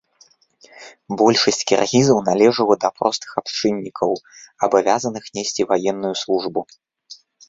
Большасць кіргізаў належыла да простых абшчыннікаў, абавязаных несці ваенную службу.